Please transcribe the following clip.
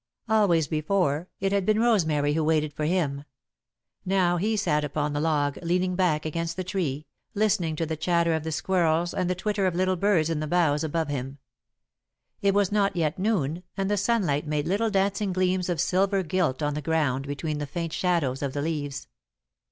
Always, before, it had been Rosemary who waited for him. Now he sat upon the log, leaning back against the tree, listening to the chatter of the squirrels and the twitter of little birds in the boughs above him. It was not yet noon, and the sunlight made little dancing gleams of silver gilt on the ground between the faint shadows of the leaves.